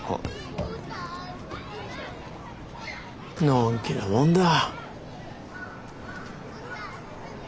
のんきなもんだ。